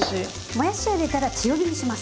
もやしを入れたら強火にします。